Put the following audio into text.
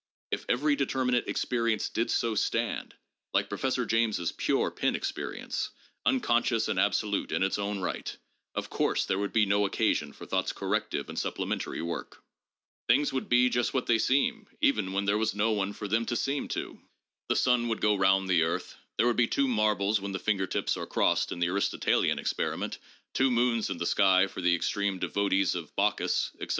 If every determinate experience did so stand, like Professor James's 'pure' pen experience, unconscious and absolute in its own right, of course there would be no occasion for thought's corrective and supplementary work. Things would be just what they seem even when there was no one for them to 'seem' to. The sun would go round the earth, there would be two marbles when the finger tips are crossed in the Aristotelian experiment, two moons in the sky for the extreme devotees of Bacchus, etc.